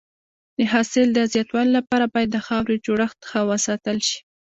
د حاصل د زیاتوالي لپاره باید د خاورې جوړښت ښه وساتل شي.